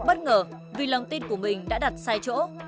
bất ngờ vì lòng tin của mình đã đặt sai chỗ